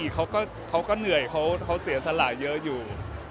เขาก็เหนื่อยเขาเสียสละเยอะอยู่